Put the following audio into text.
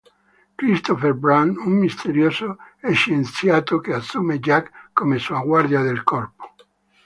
Christopher Brandt, un misterioso scienziato che assume Jack come sua guardia del corpo.